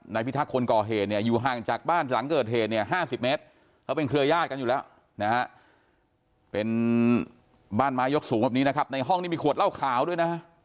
นายพี่ทักคนกรเฮนเนี้ยอยู่ห่างจากบ้านหลังเกิตเฮนเนี้ย